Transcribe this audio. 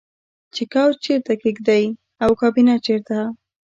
چې کوچ چیرته کیږدئ او کابینه چیرته